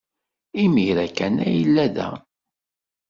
Imir-a kan ay yella da.